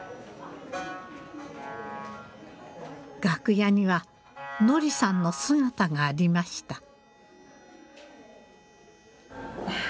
楽屋には乃莉さんの姿がありました。